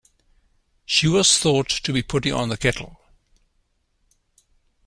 She was thought to be putting on the kettle.